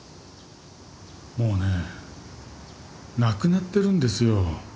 もうね亡くなってるんですよ。